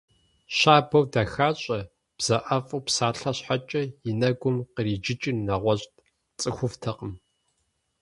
Щабэу дахащӏэ, бзэӏэфӏу псалъэ щхьэкӏэ и нэгум къриджыкӏыр нэгъуэщӏт – цӏыхуфӏтэкъым.